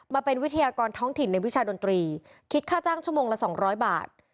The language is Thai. มาเป็นวิทยากรท้องถิ่นในวิชาดนตรีคิดค่าจ้างชั่วโมงละ๒๐๐บาท